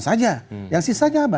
saja yang sisanya apa